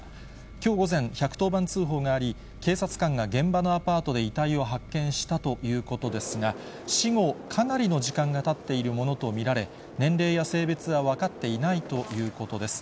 きょう午前、１１０番通報があり、警察官が現場のアパートで遺体を発見したということですが、死後かなりの時間がたっているものと見られ、年齢や性別は分かっていないということです。